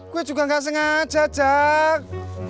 gua juga gak sengaja cak